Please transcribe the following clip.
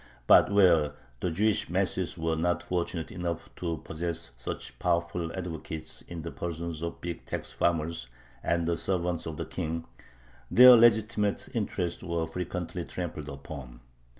But where the Jewish masses were not fortunate enough to possess such powerful advocates in the persons of the big tax farmers and "servants of the king," their legitimate interests were frequently trampled upon.